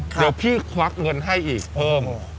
เดี๋ยวพี่ควักเงินให้อีกเพิ่ม